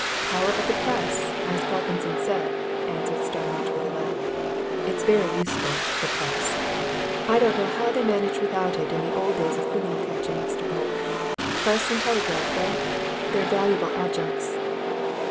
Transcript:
"Power of the Press as Parkinson said," answered Starmidge, with a laugh. "It's very useful, the Press: I don't know how they managed without it in the old days of criminal catching, Mr. Polke. Press and telegraph, eh? they're valuable adjuncts."